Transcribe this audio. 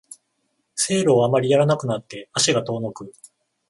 セールをあまりやらなくなって足が遠のく